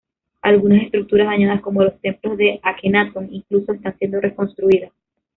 Algunas estructuras dañadas, como los templos de Akenatón, incluso están siendo reconstruidas.